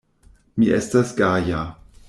Mi estas gaja.